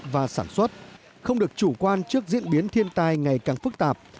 và sản xuất không được chủ quan trước diễn biến thiên tai ngày càng phức tạp